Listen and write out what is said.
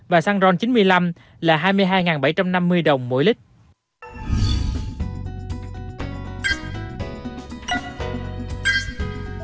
và xăng ron chín mươi năm là hai mươi hai bảy trăm năm mươi đồng mỗi lít